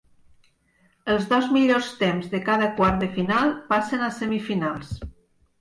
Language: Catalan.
Els dos millors temps de cada quart de final passen a semifinals.